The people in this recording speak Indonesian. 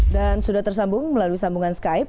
dan sudah tersambung melalui sambungan skype